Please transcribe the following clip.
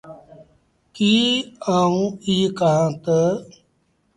ڪيٚ آئوٚنٚ ايٚ ڪهآنٚ تا